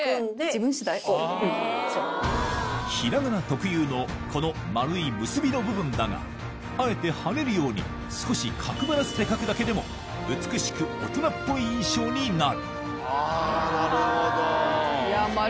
ひらがな特有のこの丸い結びの部分だがあえてはねるように少し角張らせて書くだけでも美しく大人っぽい印象になるなるほど。